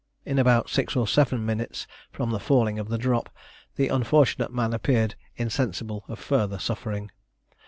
In about six or seven minutes from the falling of the drop, the unfortunate man appeared insensible of further suffering.